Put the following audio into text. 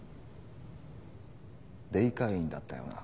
デイ会員だったよな。